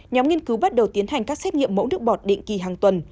nhóm nghiên cứu bắt đầu tiến hành các xét nghiệm mẫu nước bọt định kỳ hàng tuần